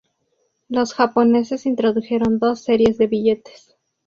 Los japoneses introdujeron dos series de billetes.